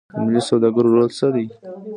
د ملي سوداګرو رول څه دی؟